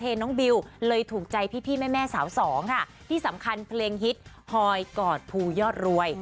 น้องบิวเลยถูกใจพี่พี่แม่แม่สาวสองค่ะที่สำคัญเพลงฮิตฮอยกอดภูยอดรวย